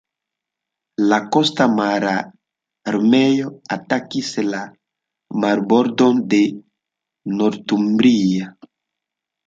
La skota mararmeo atakis la marbordon de Northumbria.